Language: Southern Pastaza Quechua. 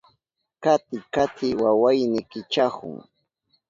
Kati kati wawayni kichahun.